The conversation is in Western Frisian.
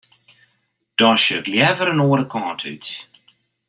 Dan sjoch ik leaver in oare kant út.